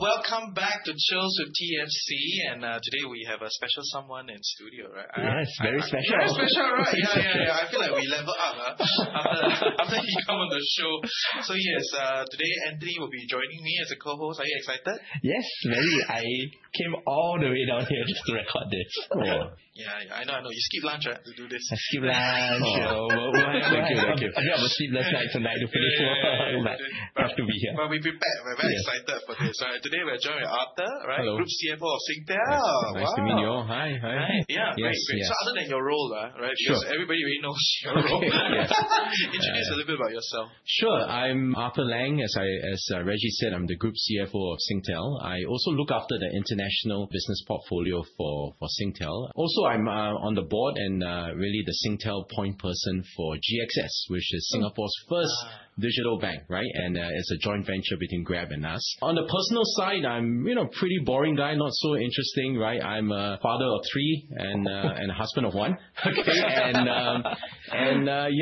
welcome back to "Chills with TFC." Today we have a special someone in studio, right? Yes, very special. Very special, right? Yeah. I feel like we level up after he come on the show. Yes, today Anthony will be joining me as a co-host. Are you excited? Yes. Very. I came all the way down here just to record this. Yeah. I know. You skip lunch, right, to do this? I skip lunch. Yeah. Oh, wow. Thank you. I gave up a sleepless night tonight to finish work. Yeah. It's rough to be here. We prepared. Yes. We're very excited for this. Today we're joined with Arthur. Hello. Group CFO of Singtel. Wow. Nice to meet you all. Hi. Hi. Yeah. Yes. Great. Other than your role, right? Sure. Everybody already knows your role. Yes. Introduce a little bit about yourself. I'm Arthur Lang. As Reggie said, I'm the Group CFO of Singtel. I also look after the international business portfolio for Singtel. Also, I'm on the board and really the Singtel point person for GXS, which is Singapore's first digital bank, right? It's a joint venture between Grab and us. On the personal side, I'm a pretty boring guy, not so interesting, right? I'm a father of three and a husband of one. Okay. Yeah,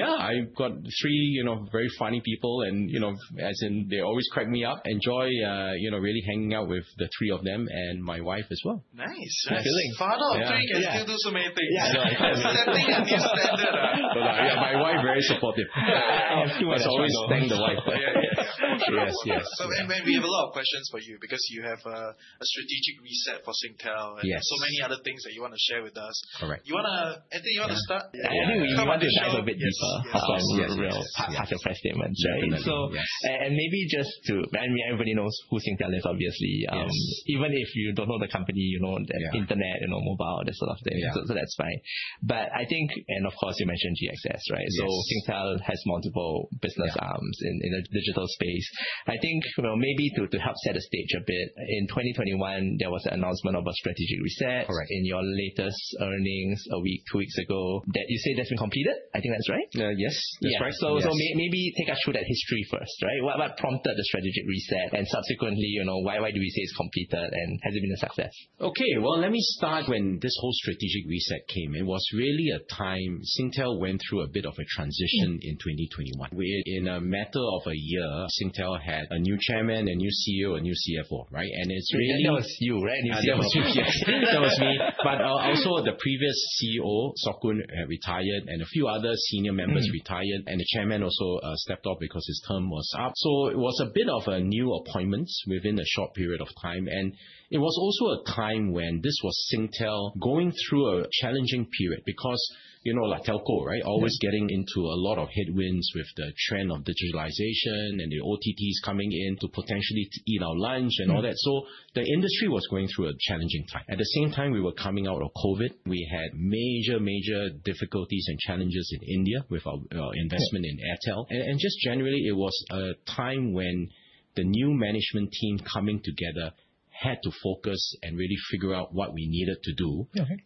I've got three very funny people, as in they always crack me up. Enjoy really hanging out with the three of them and my wife as well. Nice. Good feeling. Father of three and still do so many things. Yeah. No. Setting and being settled. Yeah. My wife very supportive. Always. Always thank the wife. Yeah. Yes. We have a lot of questions for you because you have a strategic reset for Singtel. Yes Many other things that you want to share with us. Correct. Anthony, you want to start? Yeah. I think we want to dive a bit deeper. Yes apart from the real heart of press statements, right? Definitely, yes. Maybe just to I mean, everybody knows who Singtel is, obviously. Yes. Even if you don't know the company, you know that internet, mobile, that sort of thing. Yeah. That's fine. Of course, you mentioned GXS, right? Yes. Singtel has multiple business arms- Yeah in the digital space. I think maybe to help set the stage a bit, in 2021, there was an announcement of a strategic reset- Correct in your latest earnings a week, two weeks ago, that you say that's been completed. I think that's right? Yes, that's right. Yes. Maybe take us through that history first, right? What prompted the strategic reset and subsequently, why do we say it's completed, and has it been a success? Okay. Well, let me start when this whole strategic reset came. It was really a time Singtel went through a bit of a transition in 2021, where in a matter of a year, Singtel had a new chairman, a new CEO, a new CFO, right? That was you, right? In Singtel. That was me. Also the previous CEO, Sorcun, had retired, and a few other senior members retired, and the chairman also stepped off because his term was up. It was a bit of a new appointments within a short period of time, and it was also a time when this was Singtel going through a challenging period because like Telco, right? Yeah. Always getting into a lot of headwinds with the trend of digitalization and the OTTs coming in to potentially eat our lunch and all that. The industry was going through a challenging time. At the same time, we were coming out of COVID. We had major difficulties and challenges in India with our investment in Airtel. Just generally, it was a time when the new management team coming together had to focus and really figure out what we needed to do. Okay.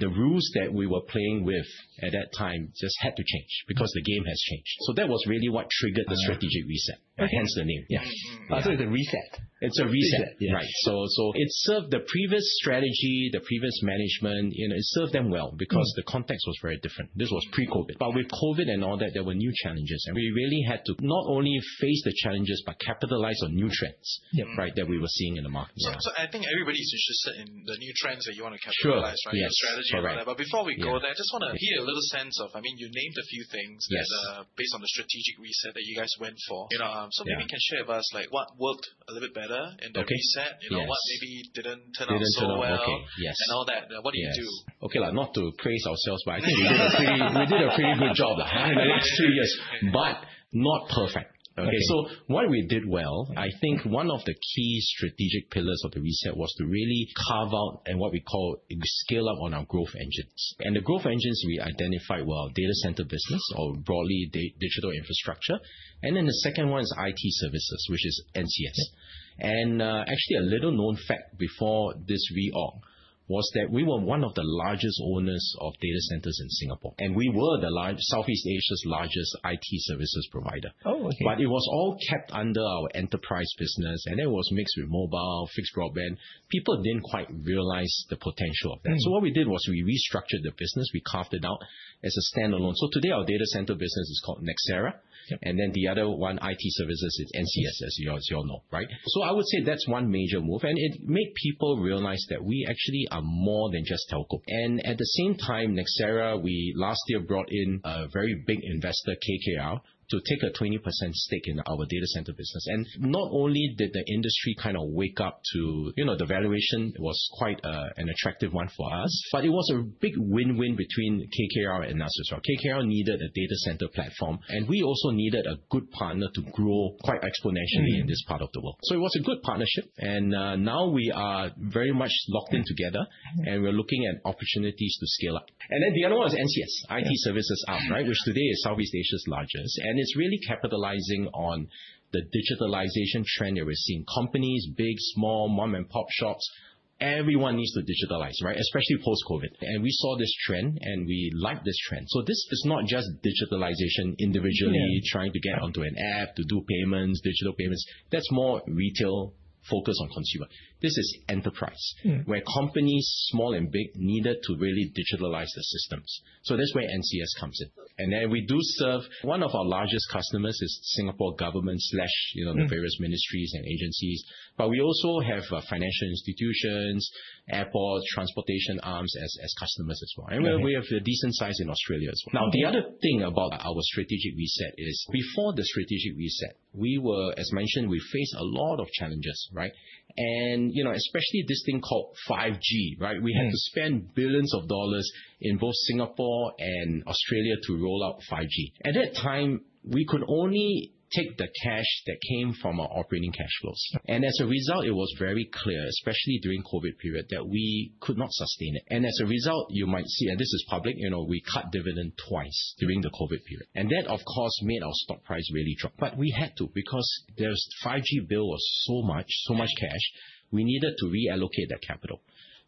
The rules that we were playing with at that time just had to change because the game has changed. That was really what triggered the strategic reset. Hence the name. Yeah. It's a reset. It's a reset. Reset. Yes. Right. It served the previous strategy, the previous management, it served them well because the context was very different. This was pre-COVID. With COVID and all that, there were new challenges, and we really had to not only face the challenges but capitalize on new trends- Yep right, that we were seeing in the market. Yeah. I think everybody's interested in the new trends that you want to capitalize, right? Sure. Yes. The strategy and all that. All right. Before we go there, just want to get a little sense of, I mean, you named a few things. Yes Based on the strategic reset that you guys went for. Yeah. Maybe you can share with us what worked a little bit better in the reset. Okay. Yes What maybe didn't turn out so well. Didn't turn out okay. Yes. All that. Yes. What did you do? Okay. Not to praise ourselves, but I think we did a pretty good job in the last three years, but not perfect. Okay. What we did well, I think one of the key strategic pillars of the reset was to really carve out and what we call scale up on our growth engines. The growth engines we identified were our data center business or broadly, digital infrastructure. The second one is IT services, which is NCS. Okay. Actually, a little known fact before this reorg was that we were one of the largest owners of data centers in Singapore, and we were Southeast Asia's largest IT services provider. Oh, okay. It was all kept under our enterprise business, and it was mixed with mobile, fixed broadband. People didn't quite realize the potential of that. What we did was we restructured the business. We carved it out as a standalone. Today our data center business is called Nxera. Yep. The other one, IT services, is NCS, as you all know, right? I would say that's one major move, and it made people realize that we actually are more than just Telco. At the same time, Nxera, we last year brought in a very big investor, KKR, to take a 20% stake in our data center business. Not only did the industry kind of wake up to the valuation was quite an attractive one for us, but it was a big win-win between KKR and us as well. KKR needed a data center platform, and we also needed a good partner to grow quite exponentially in this part of the world. It was a good partnership, and now we are very much locked in together and we're looking at opportunities to scale up. The other one was NCS, IT services arm, right? Which today is Southeast Asia's largest, and it's really capitalizing on the digitalization trend that we're seeing. Companies, big, small, mom and pop shops, everyone needs to digitalize, right? Especially post-COVID. We saw this trend, and we like this trend. This is not just digitalization individually trying to get onto an app to do payments, digital payments. That's more retail focus on consumer. This is enterprise- where companies, small and big, needed to really digitalize their systems. That's where NCS comes in. We do serve, one of our largest customers is Singapore government/ various ministries and agencies. We also have financial institutions, airport, transportation arms as customers as well. We have a decent size in Australia as well. The other thing about our strategic reset is before the strategic reset, as mentioned, we faced a lot of challenges. Especially this thing called 5G. We had to spend billions of SGD in both Singapore and Australia to roll out 5G. At that time, we could only take the cash that came from our operating cash flows. As a result, it was very clear, especially during COVID period, that we could not sustain it. As a result, you might see, and this is public, we cut dividend twice during the COVID period. That, of course, made our stock price really drop. We had to because the 5G bill was so much, so much cash, we needed to reallocate that capital.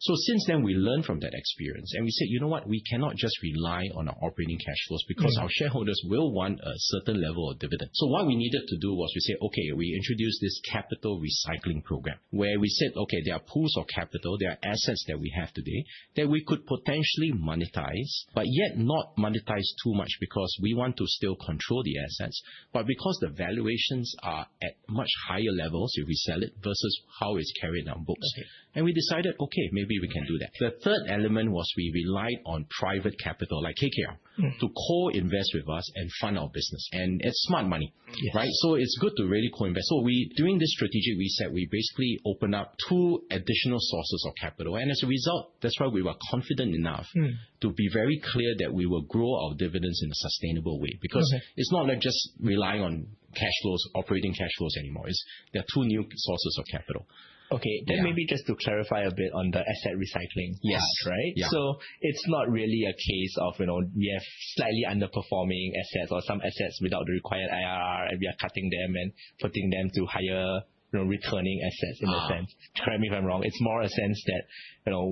Since then, we learned from that experience, and we said, "You know what? We cannot just rely on our operating cash flows because our shareholders will want a certain level of dividend." What we needed to do was we said, okay, we introduce this capital recycling program where we said, okay, there are pools of capital, there are assets that we have today that we could potentially monetize, but yet not monetize too much because we want to still control the assets. Because the valuations are at much higher levels if we sell it versus how it's carried on books. Okay. We decided, okay, maybe we can do that. The third element was we relied on private capital, like KKR. to co-invest with us and fund our business. It's smart money. Yes. It's good to really co-invest. During this strategic reset, we basically opened up two additional sources of capital. As a result, that's why we were confident enough. To be very clear that we will grow our dividends in a sustainable way because it's not like just relying on operating cash flows anymore. There are two new sources of capital. Okay. Yeah. Maybe just to clarify a bit on the asset recycling part. Yes. Right? Yeah. It's not really a case of we have slightly underperforming assets or some assets without the required IRR, and we are cutting them and putting them to higher returning assets in that sense. Correct me if I'm wrong. It's more a sense that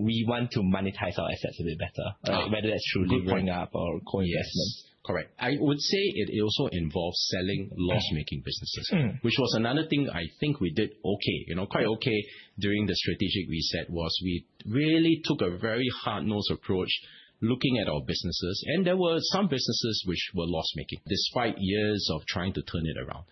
we want to monetize our assets a bit better. No Whether that's through gearing up or co-investment. Yes. Correct. I would say it also involves selling loss-making businesses. Which was another thing I think we did okay, quite okay, during the strategic reset was we really took a very hard-nosed approach looking at our businesses. There were some businesses which were loss-making despite years of trying to turn it around.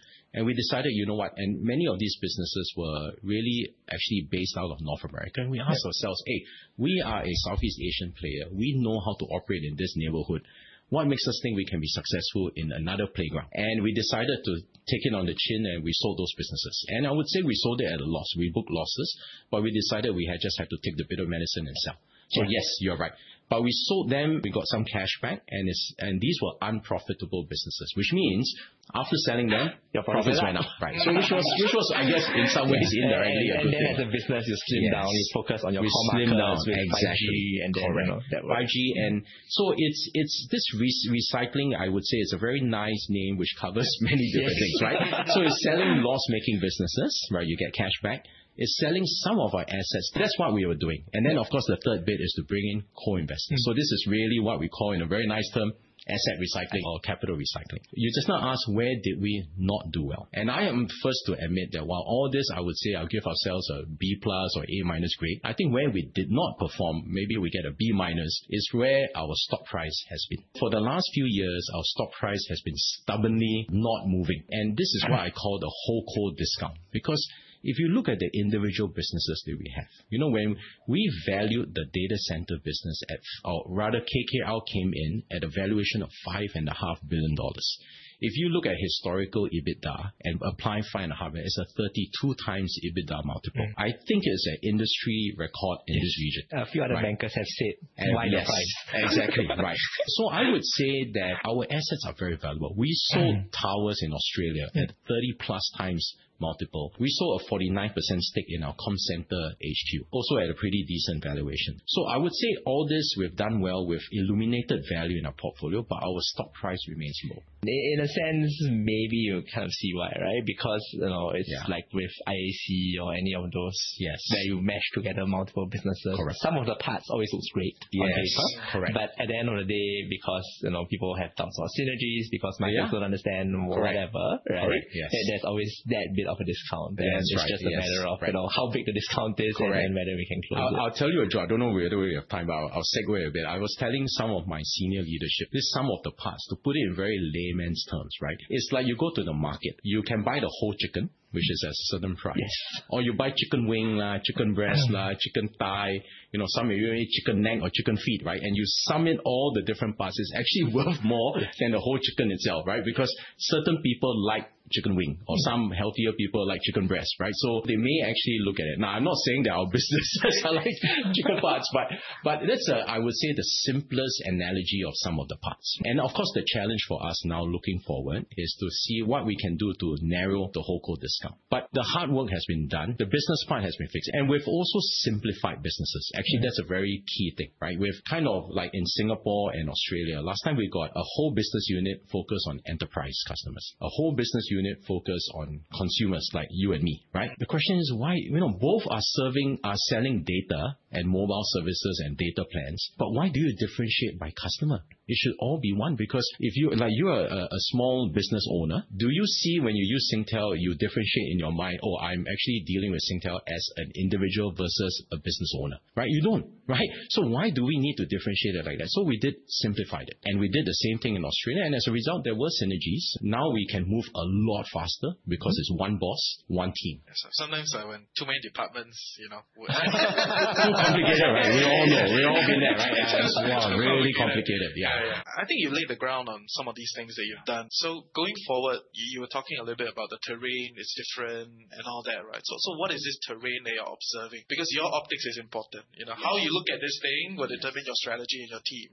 We decided, you know what? Many of these businesses were really actually based out of North America. We asked ourselves, "Hey, we are a Southeast Asian player. We know how to operate in this neighborhood. What makes us think we can be successful in another playground?" We decided to take it on the chin, and we sold those businesses. I would say we sold it at a loss. We booked losses, but we decided we just had to take the bitter medicine and sell. Right. Yes, you're right. We sold them, we got some cash back, and these were unprofitable businesses, which means after selling them- They're profitable profits went up. Right. Which was, I guess, in some ways, indirectly a good thing. As a business, you slim down. Yes. You focus on your core markets. We slimmed down. With 5G and all that. Exactly. Correct. 5G this recycling, I would say, is a very nice name, which covers many different things. Yes. It's selling loss-making businesses, you get cash back. It's selling some of our assets. That's what we were doing. Then, of course, the third bit is to bring in co-investors. This is really what we call, in a very nice term, asset recycling or capital recycling. You just now asked, where did we not do well? I am first to admit that while all this, I would say I'll give ourselves a B+ or A- grade, I think where we did not perform, maybe we get a B-, is where our stock price has been. For the last few years, our stock price has been stubbornly not moving, and this is what I call the holdco discount because if you look at the individual businesses that we have, when we valued the data center business at, or rather KKR came in at a valuation of 5.5 billion dollars. If you look at historical EBITDA and applying 5.5 million, it's a 32 times EBITDA multiple. I think it's an industry record in this region. Yes. A few other bankers have said Yes value your price. Exactly right. I would say that our assets are very valuable. We sold towers in Australia at 30 plus times multiple. We sold a 49% stake in our comm center HQ, also at a pretty decent valuation. I would say all this we've done well with illuminated value in our portfolio, but our stock price remains low. In a sense, maybe you kind of see why. It's like with IAC or any of those- Yes where you mesh together multiple businesses. Correct. Some of the parts always looks great on paper. Yes. Correct. At the end of the day, because people have thoughts on synergies, because markets don't understand Correct whatever, right? Correct. Yes. There's always that bit of a discount. That's right. Yes. It's just a matter of how big the discount is. Correct Whether we can close it. I'll tell you what, Roy, I don't know whether we have time, but I'll segue a bit. I was telling some of my senior leadership, the sum of the parts, to put it in very layman's terms, it's like you go to the market, you can buy the whole chicken, which is a certain price. Yes. You buy chicken wing, chicken breast, chicken thigh, some chicken neck or chicken feet. You summon all the different parts, it's actually worth more than the whole chicken itself. Certain people like chicken wing, or some healthier people like chicken breast. They may actually look at it. I'm not saying that our businesses are like chicken parts, but that's, I would say, the simplest analogy of sum of the parts. Of course, the challenge for us now looking forward is to see what we can do to narrow the holdco discount. The hard work has been done. The business part has been fixed. We've also simplified businesses. Actually, that's a very key thing. We've kind of like in Singapore and Australia, last time we got a whole business unit focused on enterprise customers, a whole business unit focused on consumers like you and me. The question is why? Both are serving, are selling data and mobile services and data plans, but why do you differentiate by customer? It should all be one, because if you're a small business owner, do you see when you use Singtel, you differentiate in your mind, oh, I'm actually dealing with Singtel as an individual versus a business owner. You don't. Why do we need to differentiate it like that? We did simplify that, and we did the same thing in Australia. As a result, there were synergies. We can move a lot faster because it's one boss, one team. Yes, sir. Sometimes when too many departments would. Too complicated, right? We all know. We all been there, right? Yeah. It's really complicated. Yeah. Yeah. I think you laid the ground on some of these things that you've done. Going forward, you were talking a little bit about the terrain is different and all that. What is this terrain that you're observing? Because your optics is important. How you look at this thing will determine your strategy and your team.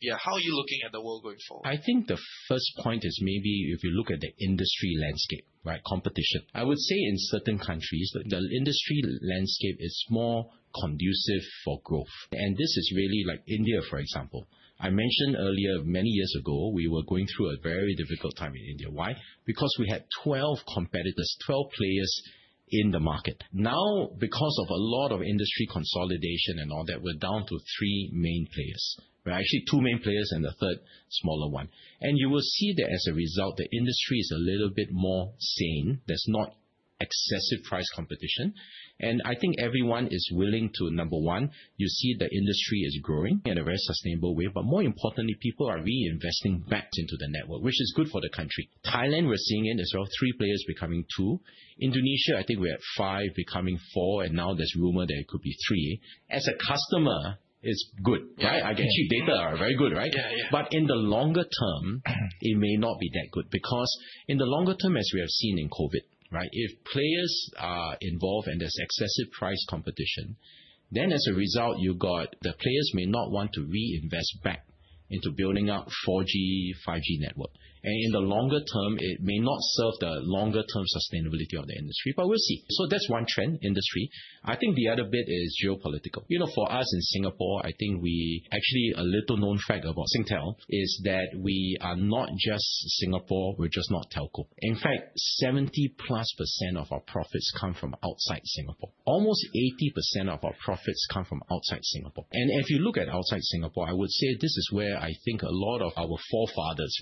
Yeah, how are you looking at the world going forward? I think the first point is maybe if you look at the industry landscape, competition. I would say in certain countries, the industry landscape is more conducive for growth. This is really like India, for example. I mentioned earlier, many years ago, we were going through a very difficult time in India. Why? Because we had 12 competitors, 12 players in the market. Now, because of a lot of industry consolidation and all that, we're down to three main players. Actually two main players and the third smaller one. You will see that as a result, the industry is a little bit more sane. There's not excessive price competition. I think everyone is willing to, number one, you see the industry is growing in a very sustainable way, but more importantly, people are reinvesting back into the network, which is good for the country. Thailand, we're seeing it as well, three players becoming two. Indonesia, I think we're at five becoming four, and now there's rumor that it could be three. As a customer, it's good, right? Yeah. I get cheap data, very good, right? Yeah. In the longer term, it may not be that good because in the longer term, as we have seen in COVID, right? If players are involved and there's excessive price competition, then as a result, you got the players may not want to reinvest back into building out 4G, 5G network. In the longer term, it may not serve the longer-term sustainability of the industry, but we'll see. That's one trend, industry. I think the other bit is geopolitical. For us in Singapore, I think we actually, a little-known fact about Singtel is that we are not just Singapore, we're just not telco. In fact, 70-plus% of our profits come from outside Singapore. Almost 80% of our profits come from outside Singapore. If you look at outside Singapore, I would say this is where I think a lot of our forefathers,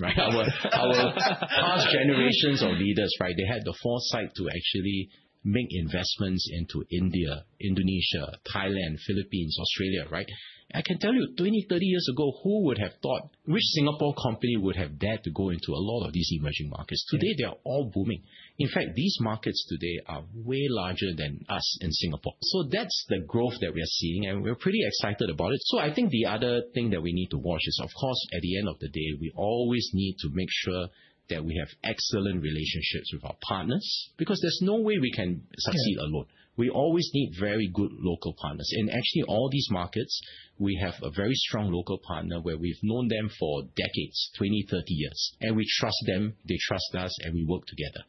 our past generations of leaders, they had the foresight to actually make investments into India, Indonesia, Thailand, Philippines, Australia, right? I can tell you, 20, 30 years ago, who would have thought which Singapore company would have dared to go into a lot of these emerging markets? Today, they are all booming. In fact, these markets today are way larger than us in Singapore. That's the growth that we are seeing, and we're pretty excited about it. I think the other thing that we need to watch is, of course, at the end of the day, we always need to make sure that we have excellent relationships with our partners, because there's no way we can succeed alone. We always need very good local partners. In actually all these markets, we have a very strong local partner where we've known them for decades, 20, 30 years, and we trust them, they trust us, and we work together.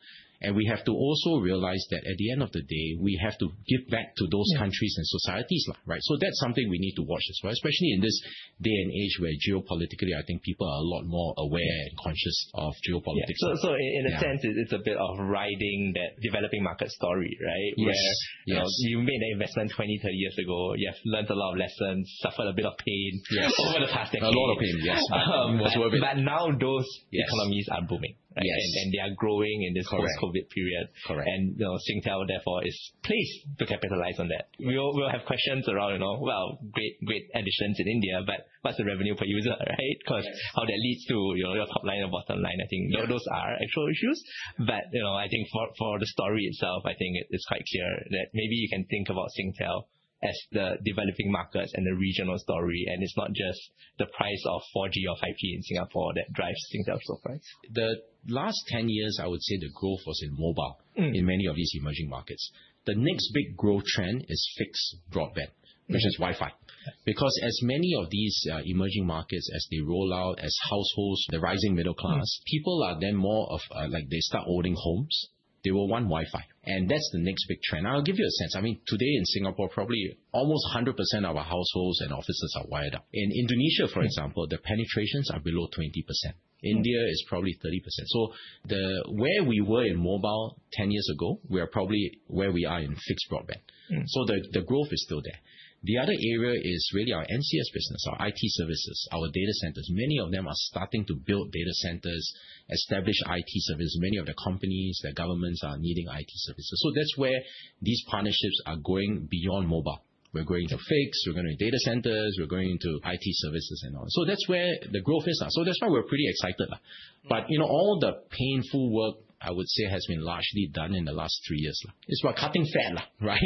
We have to also realize that at the end of the day, we have to give back to those countries and societies. That's something we need to watch as well, especially in this day and age where geopolitically, I think people are a lot more aware and conscious of geopolitics. Yeah. In a sense, it's a bit of riding that developing market story, right? Yes. Where you made an investment 20, 30 years ago. You have learnt a lot of lessons, suffered a bit of pain. Yes over the past decade. A lot of pain, yes. It was worth it. Now those economies are booming, right? Yes. They are growing. Correct post-COVID period. Correct. Singtel, therefore, is placed to capitalize on that. We will have questions around, well, great additions in India, but what’s the revenue per user, right? Yes. How that leads to your top line and bottom line, I think those are actual issues. I think for the story itself, I think it is quite clear that maybe you can think about Singtel as the developing markets and the regional story, and it is not just the price of 4G or 5G in Singapore that drives Singtel’s top price. The last 10 years, I would say the growth was in mobile- in many of these emerging markets. The next big growth trend is fixed broadband, which is Wi-Fi. Yes. As many of these emerging markets, as they roll out, as households, the rising middle class, people are then more of like they start owning homes. They will want Wi-Fi, that's the next big trend. I'll give you a sense. Today in Singapore, probably almost 100% of our households and offices are wired up. In Indonesia, for example, the penetrations are below 20%. India is probably 30%. Where we were in mobile 10 years ago, we are probably where we are in fixed broadband. The growth is still there. The other area is really our NCS business, our IT services, our data centers. Many of them are starting to build data centers, establish IT service. Many of the companies, the governments are needing IT services. That's where these partnerships are going beyond mobile. We're going into fixed, we're going into data centers, we're going into IT services and all. That's where the growth is. That's why we're pretty excited. All the painful work, I would say, has been largely done in the last three years. It's about cutting fat, right?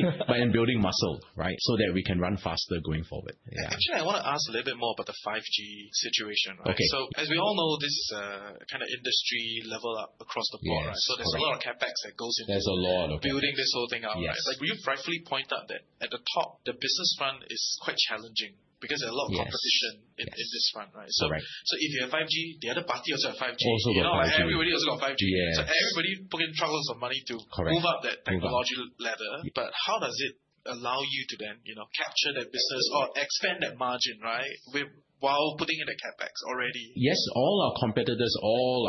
Building muscle so that we can run faster going forward. Yeah. Actually, I want to ask a little bit more about the 5G situation. Okay. As we all know, this kind of industry level up across the board, right? Yes. Correct. There's a lot of CapEx that goes into- There's a lot of CapEx building this whole thing up, right? Yes. You've rightfully pointed out that at the top, the business front is quite challenging because there's a lot of competition- Yes in this front, right? Correct. If you have 5G, the other party also have 5G. Got 5G. Everybody also got 5G. Yes. Everybody put in truckloads of money. Correct How does it allow you to then capture that business or expand that margin while putting in the CapEx already? Yes, all our competitors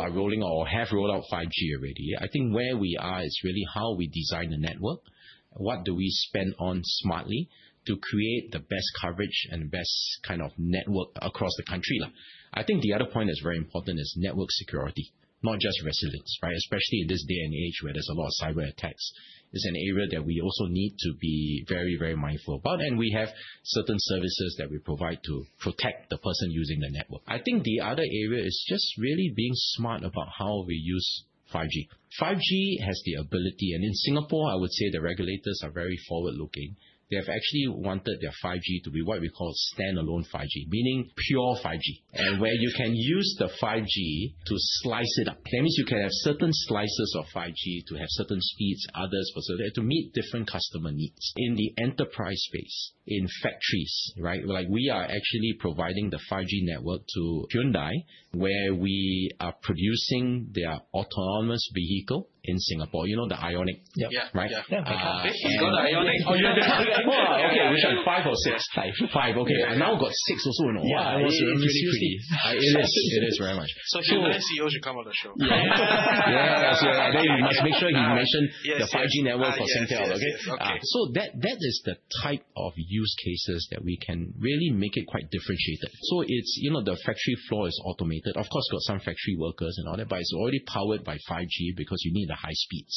are rolling out or have rolled out 5G already. I think where we are is really how we design the network. What do we spend on smartly to create the best coverage and best kind of network across the country? I think the other point that's very important is network security, not just resilience, right? Especially in this day and age where there's a lot of cyberattacks, it's an area that we also need to be very mindful about, and we have certain services that we provide to protect the person using the network. I think the other area is just really being smart about how we use 5G. 5G has the ability, and in Singapore, I would say the regulators are very forward-looking. They have actually wanted their 5G to be what we call Standalone 5G, meaning pure 5G, and where you can use the 5G to slice it up. That means you can have certain slices of 5G to have certain speeds, others for certain to meet different customer needs. In the enterprise space, in factories, we are actually providing the 5G network to Hyundai, where we are producing their autonomous vehicle in Singapore. You know the IONIQ? Yeah. Yeah. Right? Yeah. I think he's got an IONIQ. Oh, you have IONIQ. Okay. Which one? Five or six? Five. Five, okay. Now got six also in the market. Wow. Seriously? It is very much. Hyundai CEO should come on the show. Yes. He must make sure he mention the 5G network for Singtel. Yes. Okay. That is the type of use cases that we can really make it quite differentiated. The factory floor is automated. Of course, got some factory workers and all that, but it's already powered by 5G because you need the high speeds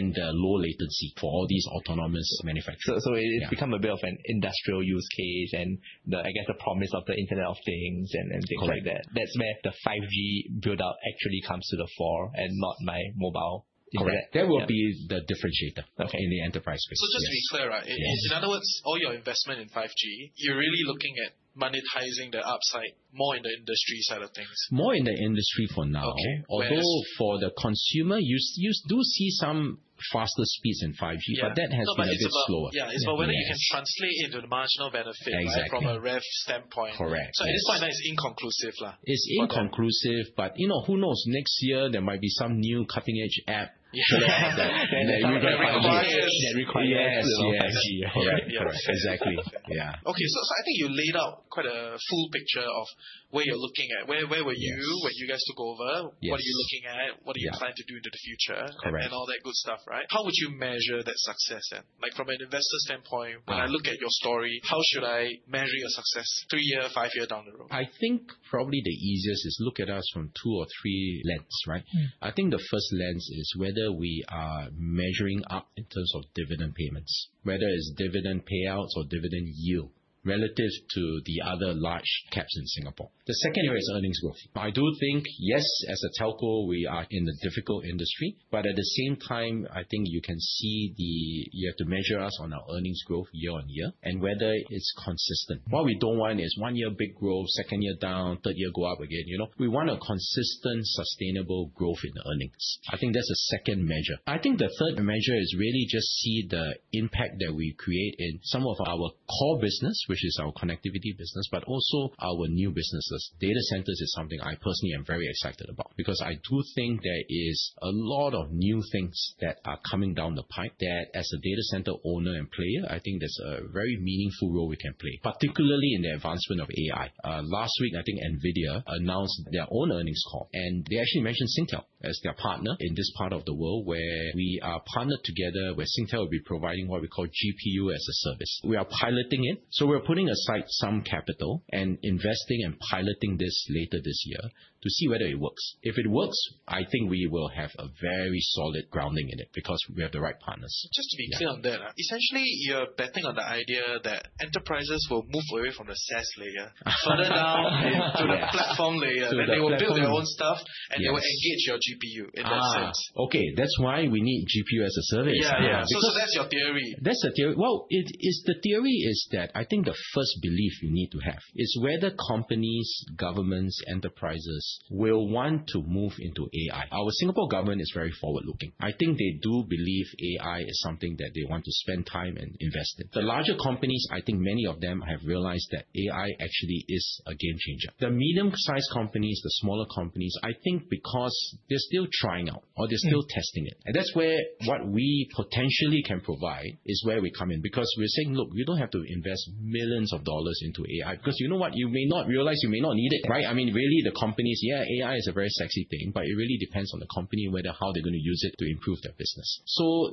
and the low latency for all these autonomous manufacturing. It's become a bit of an industrial use case, I guess, the promise of the Internet of Things and things like that. Correct. That's where the 5G build-out actually comes to the fore and not my mobile data. Correct. That will be the differentiator in the enterprise space. Just to be clear, right? Yes. In other words, all your investment in 5G, you're really looking at monetizing the upside more in the industry side of things. More in the industry for now. Okay. Whereas Although for the consumer, you do see some faster speeds in 5G. Yeah. That has been a bit slower. No, it's about whether you can translate it into the marginal benefit. Exactly From a rev standpoint. Correct. Yes. At this point, that is inconclusive. It's inconclusive, who knows? Next year there might be some new cutting-edge app that requires- That requires 5G. Yes, yes. Correct. Exactly. Yeah. Okay. I think you laid out quite a full picture of where you're looking at. Yes when you guys took over? Yes. What are you looking at? What are you planning to do into the future? Correct. All that good stuff, right? How would you measure that success then? From an investor standpoint, when I look at your story, how should I measure your success three year, five year down the road? I think probably the easiest is look at us from two or three lens, right? I think the first lens is whether we are measuring up in terms of dividend payments, whether it's dividend payouts or dividend yield relative to the other large caps in Singapore. The second area is earnings growth. I do think, yes, as a telco, we are in a difficult industry, but at the same time, I think you have to measure us on our earnings growth year-over-year and whether it's consistent. What we don't want is one year big growth, second year down, third year go up again. We want a consistent, sustainable growth in earnings. I think that's the second measure. I think the third measure is really just see the impact that we create in some of our core business, which is our connectivity business, but also our new businesses. Data centers is something I personally am very excited about because I do think there is a lot of new things that are coming down the pipe that as a data center owner and player, I think there's a very meaningful role we can play, particularly in the advancement of AI. Last week, I think NVIDIA announced their own earnings call, and they actually mentioned Singtel as their partner in this part of the world where we are partnered together, where Singtel will be providing what we call GPU-as-a-Service. We are piloting it. We're putting aside some capital and investing and piloting this later this year to see whether it works. If it works, I think we will have a very solid grounding in it because we have the right partners. Just to be clear on that, essentially, you're betting on the idea that enterprises will move away from the SaaS layer to the platform layer. To the platform layer. They will build their own stuff. Yes They will engage your GPU in that sense. Okay. That's why we need GPU-as-a-Service. Yeah. Yeah. That's your theory. That's the theory. The theory is that I think the first belief you need to have is whether companies, governments, enterprises, will want to move into AI. Our Singapore government is very forward-looking. I think they do believe AI is something that they want to spend time and invest in. The larger companies, I think many of them have realized that AI actually is a game changer. The medium-sized companies, the smaller companies, I think because they're still trying out or they're still testing it. That's where what we potentially can provide is where we come in because we're saying, look, you don't have to invest millions of SGD into AI because you know what? You may not realize you may not need it, right? The companies, yeah, AI is a very sexy thing, it really depends on the company, whether how they're going to use it to improve their business.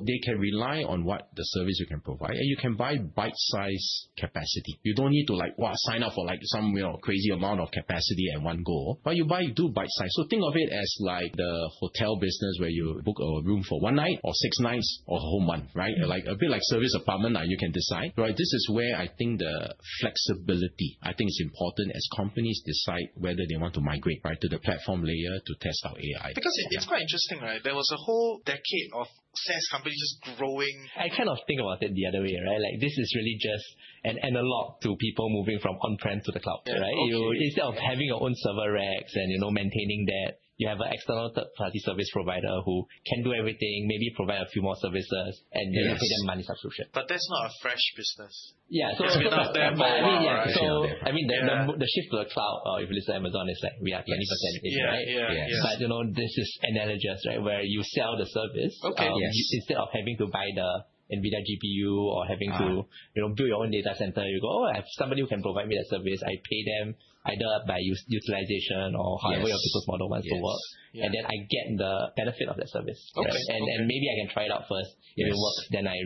They can rely on what the service we can provide, you can buy bite-size capacity. You don't need to sign up for some crazy amount of capacity in one go, you buy it through bite-size. Think of it as like the hotel business where you book a room for one night or six nights or a whole month, right? Yeah. A bit like service apartment you can decide. This is where I think the flexibility, I think it's important as companies decide whether they want to migrate to the platform layer to test out AI. Because it's quite interesting, right? There was a whole decade of SaaS companies just growing. I kind of think about it the other way around. This is really just an analog to people moving from on-prem to the cloud, right? Yeah. Okay. Instead of having your own server racks and maintaining that, you have an external third-party service provider who can do everything, maybe provide a few more services, and you pay them money subscription. That's not a fresh business. Yeah. It's been out there for a while. I mean, the shift to the cloud, if you listen to Amazon, it's like, "We are 20% in," right? Yeah, yeah. Yes. This is analogous, where you sell the service. Okay. Yes. Instead of having to buy the NVIDIA GPU or having to build your own data center, you go, "Oh, I have somebody who can provide me that service. I pay them either by utilization or however your business model wants to work. Yes. I get the benefit of that service. Okay. Maybe I can try it out first. Yes. If it works, then I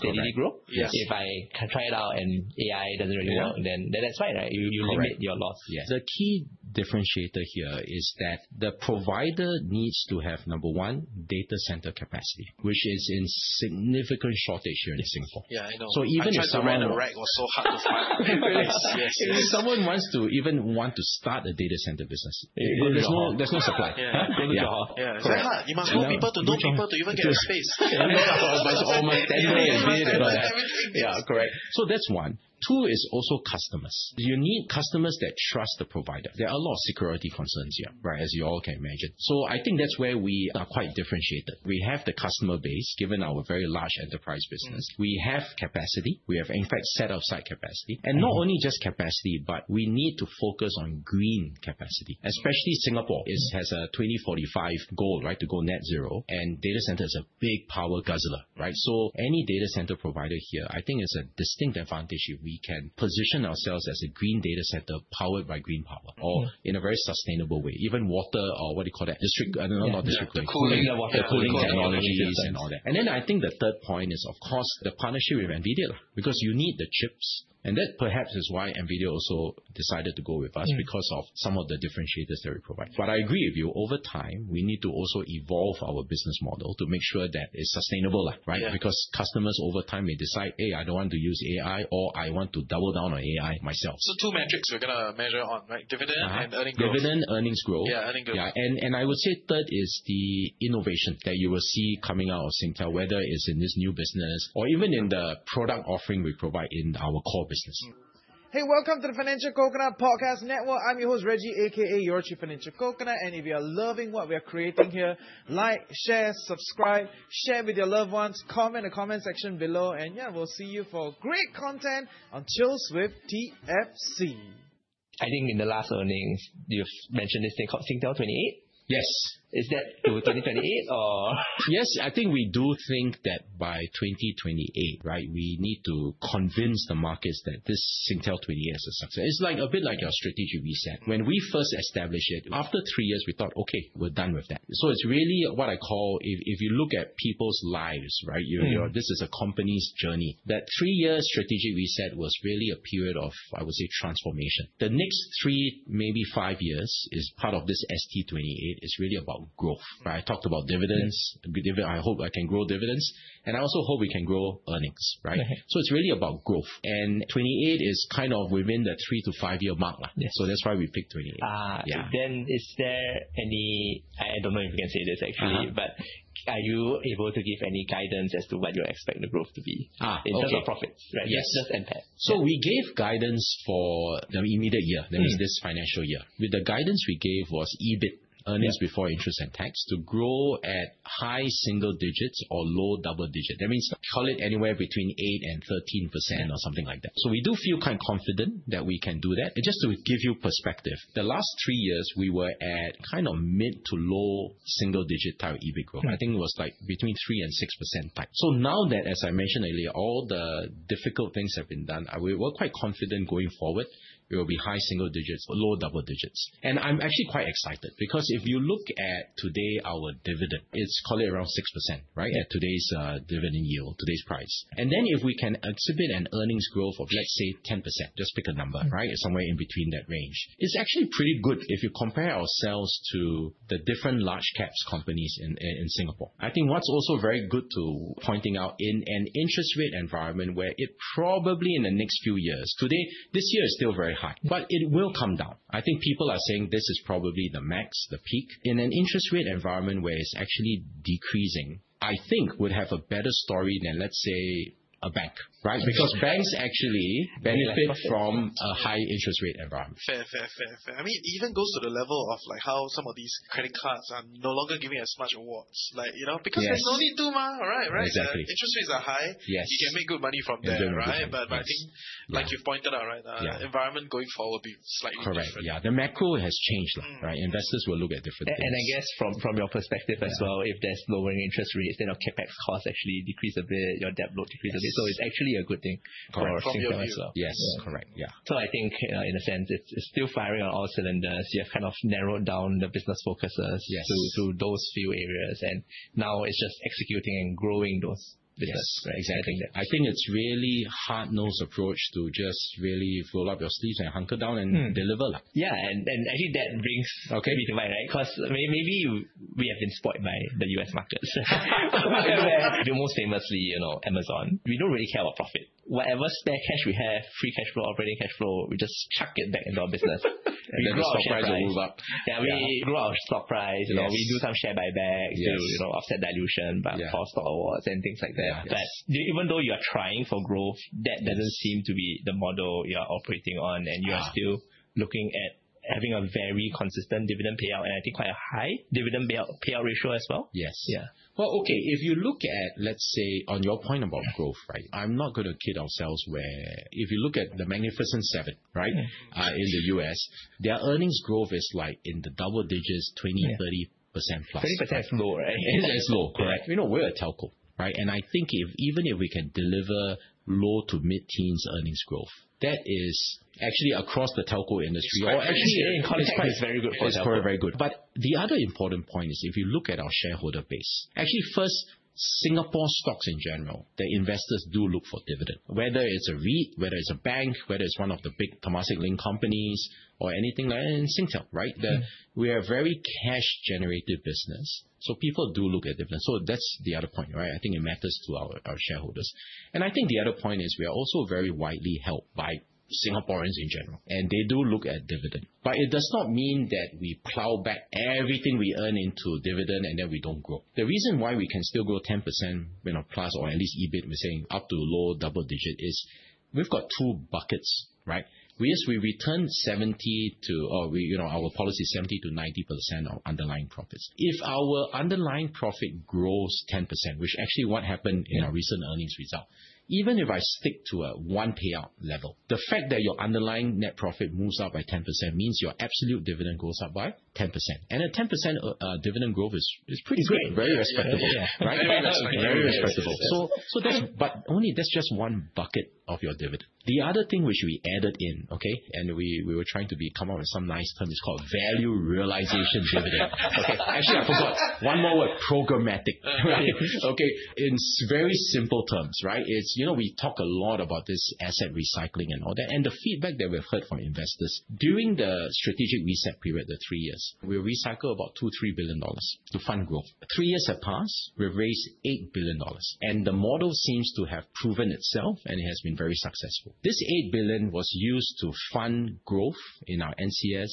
steadily grow. Correct. Yes. If I try it out and AI doesn't really work, then that's fine. You limit your loss. Correct. The key differentiator here is that the provider needs to have, number one, data center capacity, which is in significant shortage here in Singapore. Yeah, I know. Even if someone I tried to rent a rack. It was so hard to find. If someone wants to even want to start a data center business, there's no supply. Good luck. Yeah. It's like, you must know people to know people to even get a space. Yeah. All my templates. Yeah, correct. That's one. Two is also customers. You need customers that trust the provider. There are a lot of security concerns here, right? As you all can imagine. I think that's where we are quite differentiated. We have the customer base, given our very large enterprise business. We have capacity. We have, in fact, set aside capacity. Not only just capacity, but we need to focus on green capacity. Especially Singapore, it has a 2045 goal to go net zero. Data center is a big power guzzler. Any data center provider here, I think it's a distinct advantage if we can position ourselves as a green data center powered by green power or in a very sustainable way. Even water or what do you call that? The cooling. The cooling technologies and all that. I think the third point is, of course, the partnership with NVIDIA, because you need the chips. That perhaps is why NVIDIA also decided to go with us because of some of the differentiators that we provide. I agree with you. Over time, we need to also evolve our business model to make sure that it's sustainable. Yeah. Customers over time may decide, hey, I don't want to use AI, or I want to double down on AI myself. Two metrics we're going to measure on, right? Dividend and earnings growth. Dividend, earnings growth. Yeah, earnings growth. I would say third is the innovation that you will see coming out of Singtel, whether it's in this new business or even in the product offering we provide in our core business. Hey, welcome to the Financial Coconut Podcast Network. I'm your host, Reggie, AKA your Chief Financial Coconut, and if you are loving what we are creating here, like, share, subscribe, share with your loved ones, comment in the comment section below, and yeah, we'll see you for great content on Chills with TFC. I think in the last earnings, you've mentioned this thing called Singtel28? Yes. Is that to 2028 or? Yes, I think we do think that by 2028, we need to convince the markets that this Singtel28 is a success. It's a bit like our strategic reset. When we first established it, after three years, we thought, "Okay, we're done with that." It's really what I call, if you look at people's lives, this is a company's journey. That three-year strategic reset was really a period of, I would say, transformation. The next three, maybe five years, is part of this ST28, is really about growth. I talked about dividends. Yes. I hope I can grow dividends, and I also hope we can grow earnings, right? It's really about growth. 28 is kind of within the three to five-year mark. Yes. That's why we picked 28. Yeah. is there any, I don't know if you can say this, actually. Are you able to give any guidance as to what you expect the growth to be? Okay. In terms of profits, right? Yes. Just impact. We gave guidance for the immediate year. That is this financial year. The guidance we gave was EBIT. Yeah Earnings before interest and tax, to grow at high single digits or low double digit. That means call it anywhere between eight and 13%. or something like that. We do feel quite confident that we can do that. Just to give you perspective, the last three years we were at kind of mid to low single digit type of EBIT growth. Right. I think it was between 3% and 6% type. Now that, as I mentioned earlier, all the difficult things have been done, we're quite confident going forward it will be high single digits or low double digits. I'm actually quite excited because if you look at today, our dividend, it's call it around 6%, right, at today's dividend yield, today's price. If we can exhibit an earnings growth of, let's say, 10%, just pick a number. Right? It's somewhere in between that range. It's actually pretty good if you compare ourselves to the different large-cap companies in Singapore. I think what's also very good to pointing out, in an interest rate environment where it probably in the next few years, today, this year is still very high, but it will come down. I think people are saying this is probably the max, the peak. In an interest rate environment where it's actually decreasing, I think we'd have a better story than, let's say, a bank, right? Yes. Because banks actually benefit from a high interest rate environment. Fair. It even goes to the level of how some of these credit cards are no longer giving as much awards. Because there's no need to. Right? Exactly. Interest rates are high. Yes. You can make good money from that, right? You can make good money, yes. I think, like you pointed out. Yeah the environment going forward will be slightly different. Correct. Yeah, the macro has changed. Investors will look at different things. I guess from your perspective as well. Yeah If there's lowering interest rates, then your CapEx costs actually decrease a bit, your debt load decreases. Yes a bit. It's actually a good thing for Singtel as well. Correct. From your view. Yes. Correct. Yeah. I think, in a sense, it's still firing on all cylinders. You have kind of narrowed down the business focuses. Yes to those few areas, now it's just executing and growing those business. Yes. Right? Exactly. I think it's really hard-nosed approach to just really roll up your sleeves and hunker down and deliver. Yeah, actually that. Okay me to mind, maybe we have been spoiled by the U.S. markets. The most famously, Amazon. We don't really care about profit. Whatever spare cash we have, free cash flow, operating cash flow, we just chuck it back into our business. The stock price will move up. Yeah, we grow our stock price. Yes. We do some share buyback. Yes to offset dilution, buy back. Yeah our stock awards and things like that. Yes. Even though you are trying for growth. Yes that doesn't seem to be the model you are operating on. You are still looking at having a very consistent dividend payout, and I think quite a high dividend payout ratio as well. Yes. Yeah. Well, okay. If you look at, let's say, on your point about growth, I'm not going to kid ourselves where if you look at The Magnificent Seven. Yes. in the U.S., their earnings growth is like in the double digits, 20%, 30%. Yeah plus. 30% is low, right? 30% is low. Correct. You know. We're a telco. I think even if we can deliver low to mid-teens earnings growth, that is actually across the telco industry or I think it's very good for a telco It's very good. The other important point is, if you look at our shareholder base, actually first Singapore stocks in general, the investors do look for dividend. Whether it's a REIT, whether it's a bank, whether it's one of the big Temasek-linked companies or anything like, and Singtel. We are very cash generated business, people do look at dividend. That's the other point. I think it matters to our shareholders. I think the other point is we are also very widely held by Singaporeans in general, and they do look at dividend. It does not mean that we plow back everything we earn into dividend and then we don't grow. The reason why we can still grow 10%+, or at least EBIT, we're saying up to low double-digit, is we've got two buckets. We return 70% to, or our policy is 70%-90% of underlying profits. If our underlying profit grows 10%, which actually what happened in our recent earnings result, even if I stick to a one payout level, the fact that your underlying net profit moves up by 10% means your absolute dividend goes up by 10%. a 10% dividend growth is pretty good. It's great. Very respectable. Yeah. Very respectable. Only that's just one bucket of your dividend. The other thing which we added in, okay, and we were trying to come up with some nice term, it's called value realization dividend. Okay. Actually, I forgot one more word, programmatic. Right. Okay. In very simple terms, we talk a lot about this asset recycling and all that. The feedback that we've heard from investors during the strategic reset period, the three years, we recycle about 2 billion-3 billion dollars to fund growth. Three years have passed. We've raised 8 billion dollars, and the model seems to have proven itself, and it has been very successful. This 8 billion was used to fund growth in our NCS,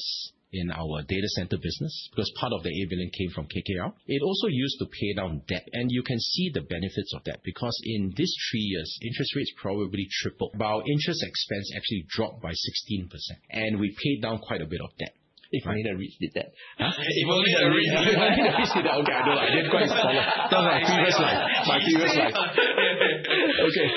in our data center business, because part of the 8 billion came from KKR. It also used to pay down debt, and you can see the benefits of that because in these three years, interest rates probably tripled. Our interest expense actually dropped by 16%, and we paid down quite a bit of debt. If only the REIT did that. Huh? If only the REIT did that. If only the REIT did that. Okay. I know. I didn't quite follow. That was my previous life. My previous life. Yeah. Okay.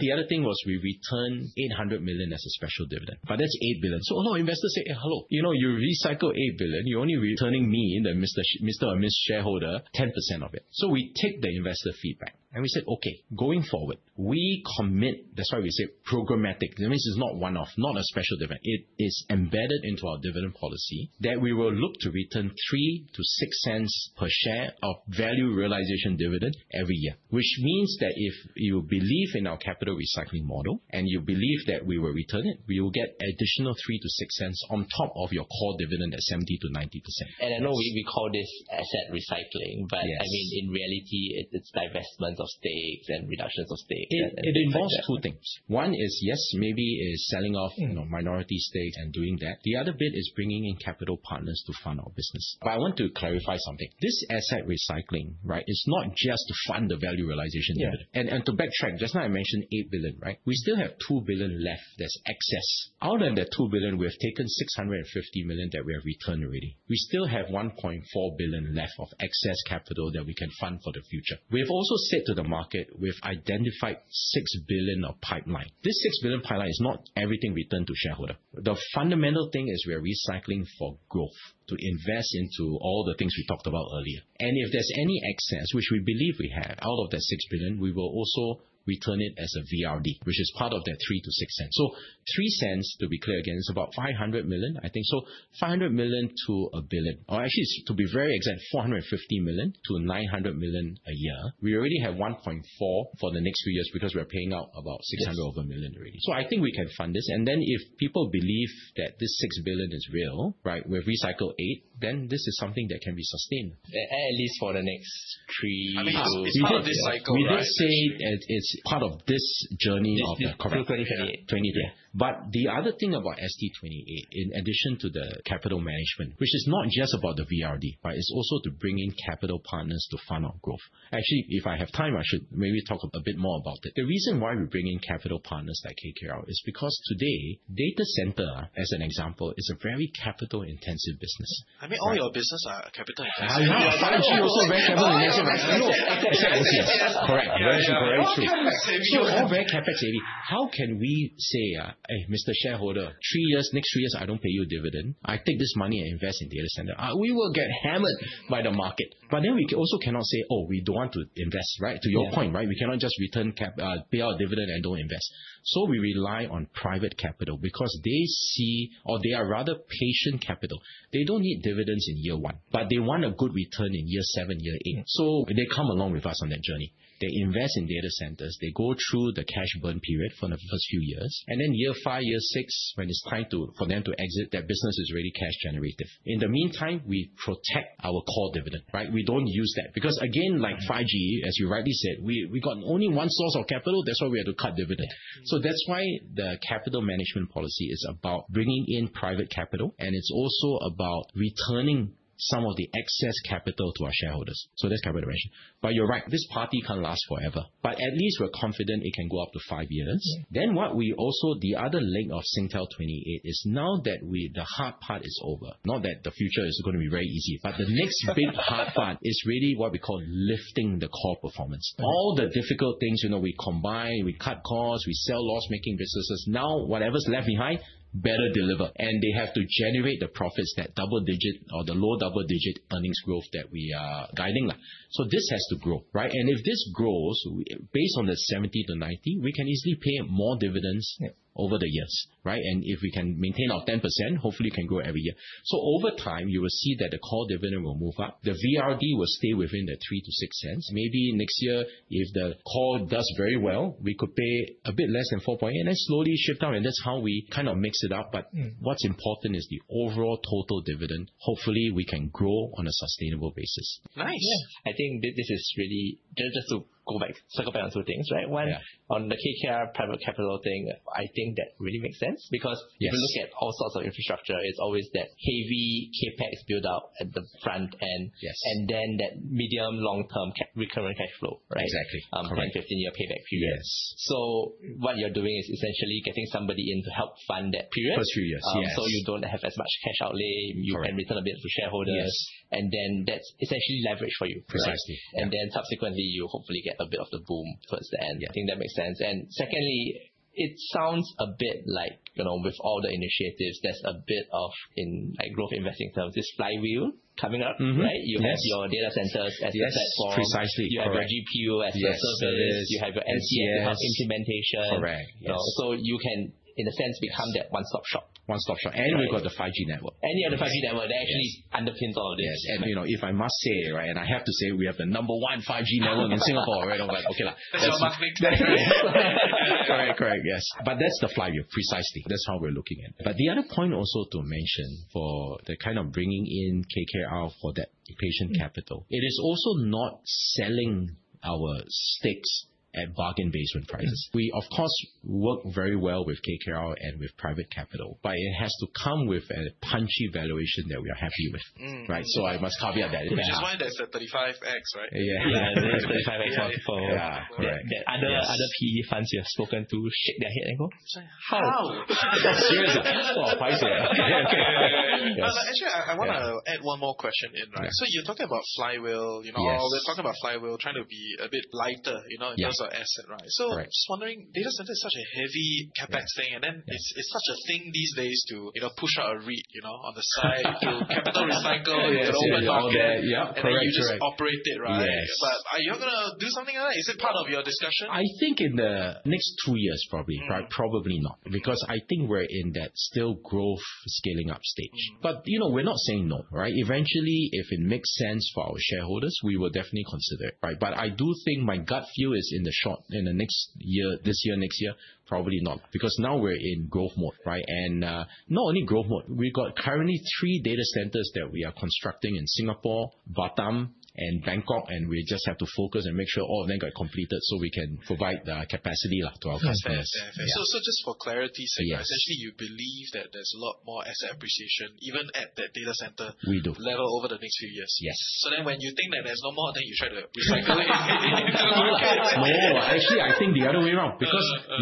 The other thing was we returned 800 million as a special dividend, that's 8 billion. A lot of investors say, "Hello. You recycle 8 billion. You're only returning me, the Mr. or Miss Shareholder, 10% of it." We take the investor feedback and we say, "Okay. Going forward, we commit" That's why we say programmatic. That means it's not one-off, not a special dividend. It is embedded into our dividend policy that we will look to return 0.03 to 0.06 per share of value realisation dividend every year. Which means that if you believe in our capital recycling model, and you believe that we will return it, we will get additional 0.03 to 0.06 on top of your core dividend at 70%-90%. I know we call this asset recycling. Yes in reality, it's divestment of stakes and reductions of stakes and things like that. It involves two things. One is, yes, maybe it is selling off minority stakes and doing that. The other bit is bringing in capital partners to fund our business. I want to clarify something. This asset recycling, right, is not just to fund the value realisation dividend. Yeah. To backtrack, just now I mentioned 8 billion, right. We still have 2 billion left that is excess. Out of that 2 billion, we have taken 650 million that we have returned already. We still have 1.4 billion left of excess capital that we can fund for the future. We have also said to the market we have identified 6 billion of pipeline. This 6 billion pipeline is not everything returned to shareholder. The fundamental thing is we are recycling for growth, to invest into all the things we talked about earlier. If there is any excess, which we believe we have, out of that 6 billion, we will also return it as a VRD, which is part of that 0.03-0.06. Three cents, to be clear again, is about 500 million, I think. 500 million-1 billion, or actually, to be very exact, 450 million-900 million a year. We already have 1.4 billion for the next few years because we are paying out about 600 over million already. I think we can fund this, and then if people believe that this 6 billion is real, right, we have recycled 8 billion, then this is something that can be sustained. At least for the next three to- It is part of this cycle, right. We did say it's part of this journey. This Singtel28. Correct, 28. The other thing about ST28, in addition to the capital management, which is not just about the VRD, but it's also to bring in capital partners to fund our growth. Actually, if I have time, I should maybe talk a bit more about it. The reason why we bring in capital partners like KKR is because today, data center, as an example, is a very capital-intensive business. All your business are capital-intensive. I know. 5G also very capital-intensive, right? I know. Except NCS. Correct. Very true. All capital saving. All very CapEx saving. How can we say, "Mr. Shareholder, three years, next three years, I don't pay you a dividend. I take this money and invest in data center." We will get hammered by the market. We also cannot say, we don't want to invest, right? To your point, right? We cannot just pay out dividend and don't invest. We rely on private capital because they see, or they are rather patient capital. They don't need dividends in year one, but they want a good return in year seven, year eight. They come along with us on that journey. They invest in data centers. They go through the cash burn period for the first few years, and then year five, year six, when it's time for them to exit, that business is really cash generative. In the meantime, we protect our core dividend, right? We don't use that because again, like 5G, as you rightly said, we got only one source of capital. That's why we had to cut dividend. That's why the capital management policy is about bringing in private capital, and it's also about returning some of the excess capital to our shareholders. That's capital management. You're right, this party can't last forever. At least we're confident it can go up to five years. Yeah. What we also, the other leg of Singtel28 is now that the hard part is over. Not that the future is going to be very easy, but the next big hard part is really what we call lifting the core performance. All the difficult things, we combine, we cut costs, we sell loss-making businesses. Now, whatever's left behind better deliver, and they have to generate the profits, that double-digit or the low double-digit earnings growth that we are guiding. This has to grow, right? If this grows, based on the 70%-90%, we can easily pay more dividends. Yeah over the years, right? If we can maintain our 10%, hopefully it can grow every year. Over time, you will see that the core dividend will move up. The VRD will stay within 0.03-0.06. Maybe next year, if the core does very well, we could pay a bit less than 0.048 and then slowly shift down, and that's how we kind of mix it up, what's important is the overall total dividend. Hopefully, we can grow on a sustainable basis. Nice. Just to go back, circle back on two things, right? Yeah. One, on the KKR private capital thing, I think that really makes sense. Yes If you look at all sorts of infrastructure, it's always that heavy CapEx build-up at the front end. Yes. That medium, long-term recurring cash flow, right? Exactly. Correct. 10, 15-year payback period. Yes. What you're doing is essentially getting somebody in to help fund that period. First few years. Yes. You don't have as much cash outlay. Correct. You can return a bit to shareholders. Yes. That's essentially leverage for you. Precisely. Yeah. Subsequently, you hopefully get a bit of the boom towards the end. Yeah. I think that makes sense. Secondly, it sounds a bit like with all the initiatives, there's a bit of, in growth investing terms, this flywheel coming up, right? Mm-hmm. Yes. You have your data centers as your platform. That's precisely correct. You have your GPU as your service. Yes. You have your MC as your implementation. Correct. Yes. You can, in a sense, become that one-stop shop. One-stop shop. We've got the 5G network. You have the 5G network that actually underpins all of this. If I must say, right, and I have to say, we have the number one 5G network in Singapore, right. That's a must-win. Correct. Yes. That's the flywheel. Precisely. That's how we're looking at it. The other point also to mention for the kind of bringing in KKR for that patient capital, it is also not selling our stakes at bargain basement prices. We, of course, work very well with KKR and with private capital, but it has to come with a punchy valuation that we are happy with, right? I must caveat that. Which is why there's the 35x, right? Yeah. There's 35x multiple. Yeah. Correct. Yes. The other PE funds you have spoken to shake their head and go, "How? How? Seriously. Crazy. Actually, I want to add one more question in, right? Yeah. You're talking about flywheel. Yes. We're talking about flywheel, trying to be a bit lighter, in terms of asset, right? Right. Just wondering, data center is such a heavy CapEx thing, and then it's such a thing these days to push out a REIT, on the side- recycle it and open it up-. All that. Yeah. Then you just operate it, right? Yes. Are you going to do something like that? Is it part of your discussion? I think in the next two years probably. Probably not, because I think we're in that still growth scaling up stage. We're not saying no. Eventually, if it makes sense for our shareholders, we will definitely consider it. I do think my gut feel is in the short, in this year or next year, probably not, because now we're in growth mode. Not only growth mode, we got currently three data centers that we are constructing in Singapore, Batam and Bangkok, and we just have to focus and make sure all of them get completed so we can provide the capacity to our customers. Fair. Just for clarity's sake. Yes You believe that there's a lot more asset appreciation even at that data center-. We do level over the next few years. Yes. When you think that there's no more, then you try to recycle it. Actually, I think the other way around.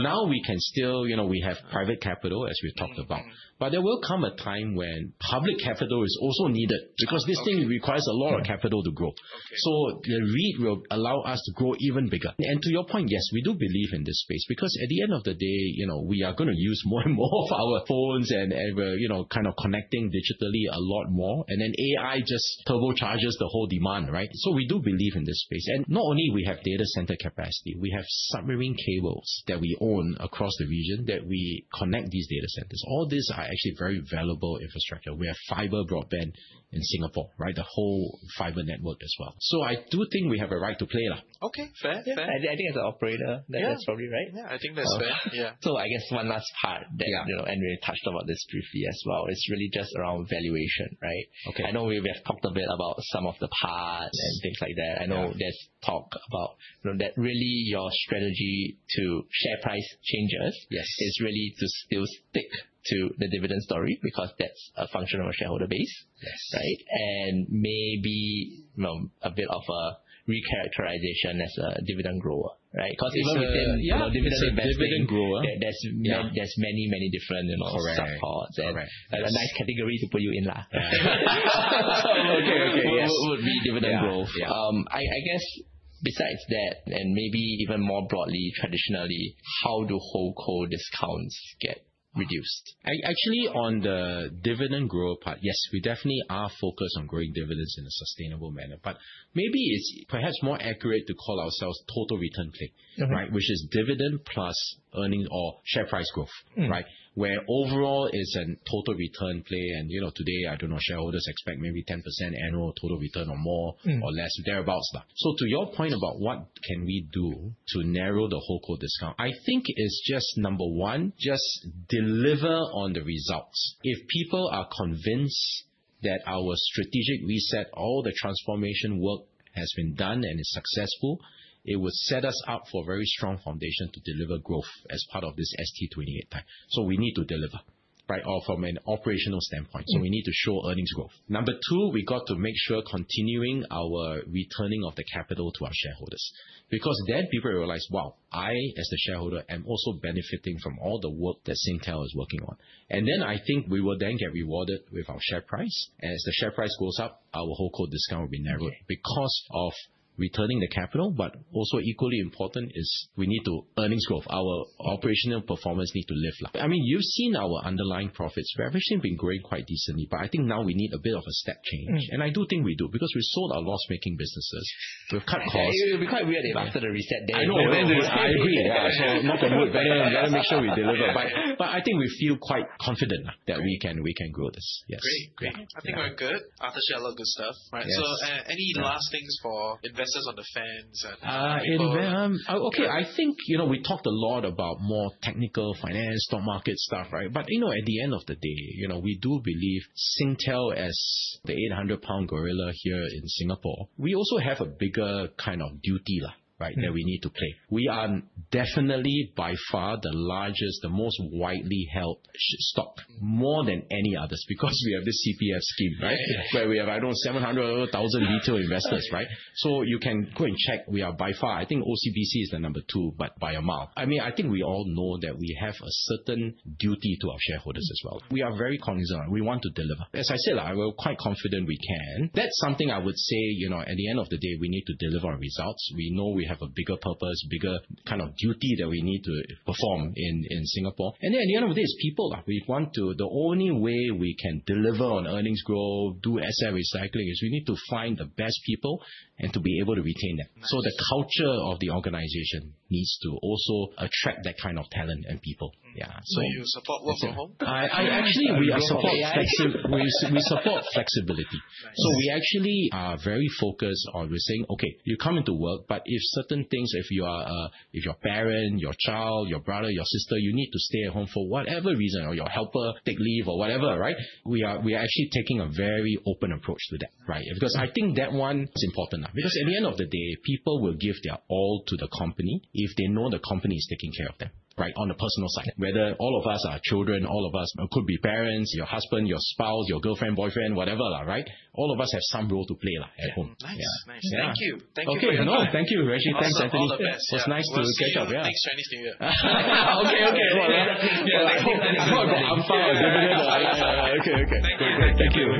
Now we still have private capital, as we've talked about. There will come a time when public capital is also needed, because this thing requires a lot of capital to grow. The REIT will allow us to grow even bigger. To your point, yes, we do believe in this space because at the end of the day, we are going to use more and more of our phones, and we're kind of connecting digitally a lot more. AI just turbocharges the whole demand. We do believe in this space. Not only we have data center capacity, we have submarine cables that we own across the region that we connect these data centers. All these are actually very valuable infrastructure. We have fiber broadband in Singapore. The whole fiber network as well. I do think we have a right to play. Okay, fair. Yeah. I think as an operator- Yeah that is probably right. Yeah, I think that's fair. Yeah. I guess one last part. Yeah We touched about this briefly as well. It's really just around valuation, right? Okay. I know we have talked a bit about some of the parts and things like that. I know there's talk about that really your strategy to share price changes. Yes is really to still stick to the dividend story because that's a function of a shareholder base. Yes. Maybe a bit of a recharacterization as a dividend grower. Because even within. Yeah dividend play. Dividend grower there's many different Correct supports and a nice category to put you in. Okay. Yes. Would be dividend growth. Yeah. I guess besides that, and maybe even more broadly, traditionally, how do holdco discounts get reduced? Actually, on the dividend growth part, yes, we definitely are focused on growing dividends in a sustainable manner. Maybe it's perhaps more accurate to call ourselves total return play. Okay. Which is dividend plus earning or share price growth. Where overall is a total return play, and today, I don't know, shareholders expect maybe 10% annual total return or more or less, thereabout. To your point about what can we do to narrow the holdco discount, I think it's just, number 1, just deliver on the results. If people are convinced that our strategic reset, all the transformation work has been done and is successful, it would set us up for a very strong foundation to deliver growth as part of this ST28 time. We need to deliver. From an operational standpoint. We need to show earnings growth. Number 2, we got to make sure continuing our returning of the capital to our shareholders. Then people realize, wow, I as the shareholder, am also benefiting from all the work that Singtel is working on. I think we will then get rewarded with our share price. As the share price goes up, our holdco discount will be narrowed because of returning the capital, equally important is we need the earnings growth. Our operational performance needs to lift. You've seen our underlying profits. We have actually been growing quite decently, I think now we need a bit of a step change. I do think we do, because we sold our loss-making businesses. We've cut costs. It'll be quite weird if after the reset then- I know. I agree. Knock on wood. Got to make sure we deliver. I think we feel quite confident that we can grow this. Yes. Great. Great. I think we're good. I've touched on a lot of good stuff. Yes. Any last things for investors or the fans? Okay. I think we talked a lot about more technical, finance, stock market stuff. At the end of the day, we do believe Singtel as the 800-pound gorilla here in Singapore. We also have a bigger kind of duty that we need to play. We are definitely by far the largest, the most widely held stock more than any others because we have this CPF scheme. We have, I don't know, 700,000 retail investors. You can go and check. We are by far, I think OCBC is the number two, but by a mile. I think we all know that we have a certain duty to our shareholders as well. We are very cognizant. We want to deliver. As I said, I am quite confident we can. That's something I would say, at the end of the day, we need to deliver on results. We know we have a bigger purpose, bigger kind of duty that we need to perform in Singapore. At the end of the day, it's people. The only way we can deliver on earnings growth, do asset recycling, is we need to find the best people and to be able to retain them. The culture of the organization needs to also attract that kind of talent and people. Yeah. You support work from home? Actually, we support flexibility. Nice. We actually are very focused on, we're saying, okay, you come into work, but if certain things, if your parent, your child, your brother, your sister, you need to stay at home for whatever reason, or your helper take leave or whatever, we are actually taking a very open approach to that. I think that one is important. At the end of the day, people will give their all to the company if they know the company is taking care of them, on the personal side. All of us are children, all of us could be parents, your husband, your spouse, your girlfriend, boyfriend, whatever. All of us have some role to play at home. Nice. Thank you. Thank you for your time. No, thank you. We actually thanks Anthony. All the best. It was nice to catch up. Yeah. Thanks, National Stadium. Okay. Yeah. I hope I got angpao or something. Okay, great. Thank you.